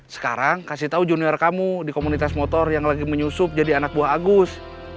sekarang kasih tahu junior kamu di komunitas motor yang lagi menyusup jadi anak buah agus